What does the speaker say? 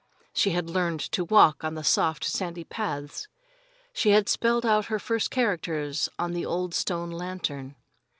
She had learned to walk on the soft sandy paths, she had spelled out her first characters on the old stone lantern.